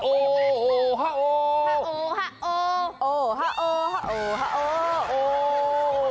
โอ้โฮโอ้โฮโอ้โฮโอ้โฮโอ้โฮโอ้โฮโอ้โฮโอ้โฮ